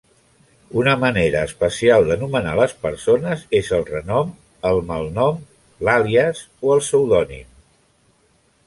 Una manera especial d'anomenar les persones és el renom, el malnom, l'àlies o el pseudònim.